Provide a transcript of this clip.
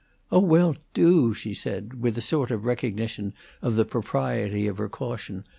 "Oh, well, do!" she said, with a sort of recognition of the propriety of her caution.